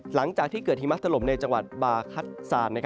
หลังจากที่เกิดหิมะถล่มในจังหวัดบาคัตซาน